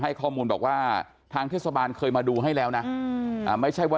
ข้อมูลบอกว่าทางเทศบาลเคยมาดูให้แล้วนะไม่ใช่ว่า